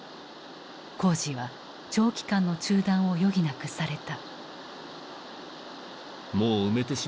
工事は長期間の中断を余儀なくされた。